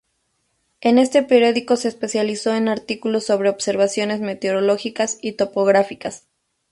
En este periódico se especializó en artículos sobre observaciones meteorológicas y topográficas.